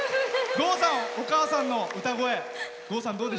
郷さん、お母さんの歌声。